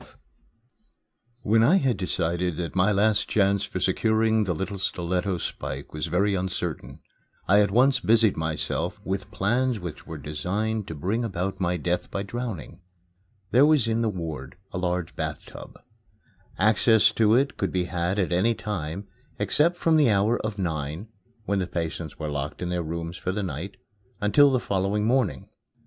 XII When I had decided that my chance for securing the little stiletto spike was very uncertain, I at once busied myself with plans which were designed to bring about my death by drowning. There was in the ward a large bath tub. Access to it could be had at any time, except from the hour of nine (when the patients were locked in their rooms for the night) until the following morning.